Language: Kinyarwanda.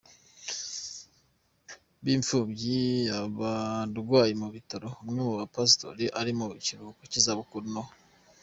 b’imfubyi, abarwayi mu bitaro, umwe mu bapasitori uri mu kiruhuko cy’izabukuru no